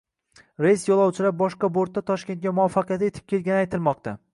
Reys yo‘lovchilari boshqa bortda Toshkentga muvaffaqiyatli yetib kelgani aytilmoqda